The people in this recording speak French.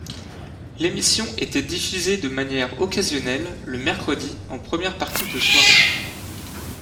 L'émission était diffusée de manière occasionnelle le mercredi en première partie de soirée.